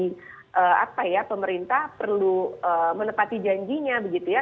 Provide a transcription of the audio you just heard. jadi apa ya pemerintah perlu menepati janjinya begitu ya